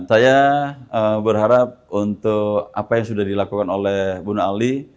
saya berharap untuk apa yang sudah dilakukan oleh bu nali